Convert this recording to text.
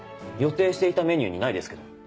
予定していたメニューにないですけど。